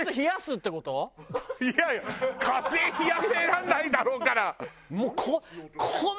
いやいや火星冷やせらんないだろうから。